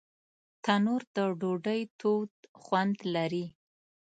تنور د ډوډۍ تود خوند لري